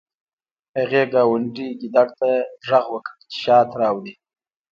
هغې ګاونډي ګیدړ ته غږ وکړ چې شات راوړي